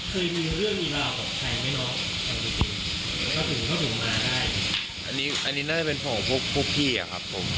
พี่คิดว่าสถานทุกท่านร้อนไหมหรือยังไง